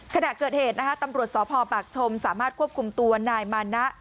ขณะเกิดเหตุนะคะตำรวจสพปากชมสามารถควบคุมตัวนายมานะ